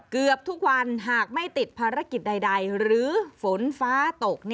เกือบทุกวันหากไม่ติดภารกิจใดหรือฝนฟ้าตก